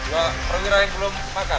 dua perwira yang belum makar